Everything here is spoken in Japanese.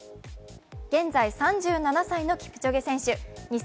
現在３７歳のキプチョゲ選手。